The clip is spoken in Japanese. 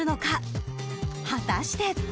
［果たして］